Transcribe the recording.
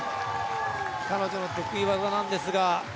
彼女の得意技なんですが。